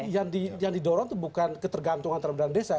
jadi yang didorong bukan ketergantungan antara dana desa